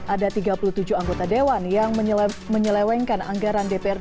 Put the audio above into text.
ada tiga puluh tujuh anggota dewan yang menyelewengkan anggaran dprd